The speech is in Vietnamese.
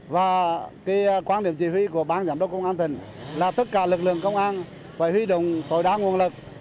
và cái quan điểm chỉ huy của bán giám đốc công an tỉnh là tất cả lực lượng công an phải huy động tội đoán nguồn lực